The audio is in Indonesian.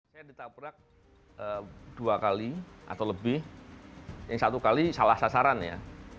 saya ditabrak dua kali atau lebih yang satu kali salah sasaran ya